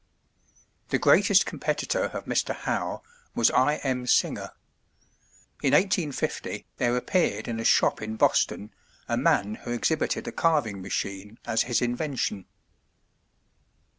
The greatest competitor of Mr. Howe was I. M. Singer. In 1850 there appeared in a shop in Boston, a man who exhibited a carving machine as his invention.